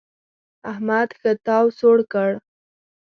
احمد ښه تاو سوړ کړ.